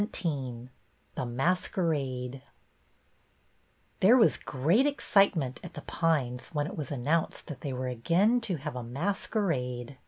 XVII THE MASQUERADE T here was great excitement at The Pines when it was announced tliat they were again to have a masquer ade.